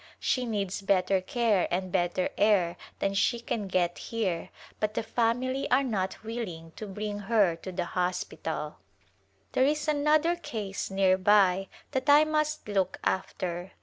She needs better care and better air than she can get here but the family are not willing to bring her to the hospital. There is another case near by that I must look after.